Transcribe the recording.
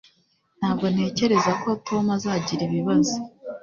Ntabwo ntekereza ko Tom azagira ibibazo.